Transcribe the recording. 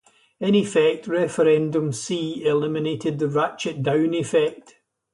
In effect, Referendum C eliminated the ratchet-down effect.